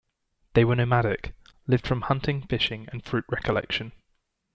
They were nomadic, lived from hunting, fishing and fruit recollection.